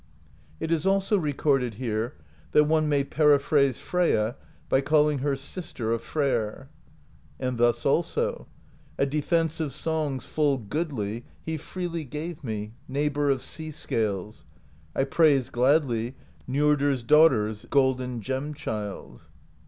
It is also recorded here that one may periphrase Freyja by calling her Sister of Freyr. And thus also: A defence of songs full goodly He freely gave me, neighbor Of sea scales: I praise gladly Njordr's Daughter's golden gem child.